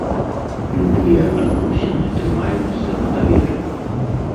Любыя адносіны трымаюцца на даверы.